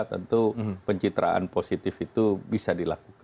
tentu pencitraan positif itu bisa dilakukan